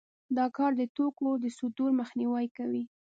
دا کار د توکو د صدور مخنیوی کوي